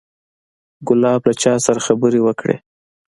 ګلاب له چا سره خبرې وکړې.